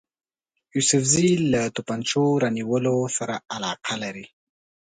یوسفزي له توپنچو رانیولو سره علاقه لري.